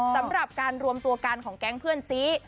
สำหรับการรวมตัวกันของแก๊งเพื่อนซี